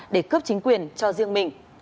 để cướp chính quyền cho riêng mình